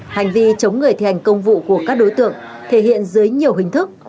hành vi chống người thi hành công vụ của các đối tượng thể hiện dưới nhiều hình thức